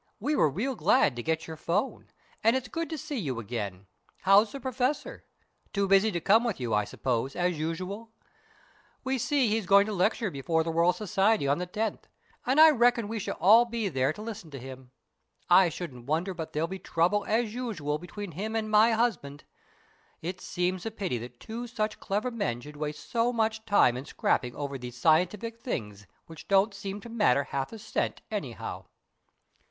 We were real glad to get your 'phone, and it's good to see you again. How's the Professor? Too busy to come with you, I suppose, as usual. We see he's going to lecture before the Royal Society on the tenth, and I reckon we shall all be there to listen to him. I shouldn't wonder but there'll be trouble as usual between him and my husband. It seems a pity that two such clever men should waste so much time in scrapping over these scientific things, which don't seem to matter half a cent, anyhow."